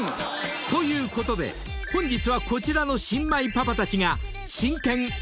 ［ということで本日はこちらの新米パパたちが真剣お悩み相談！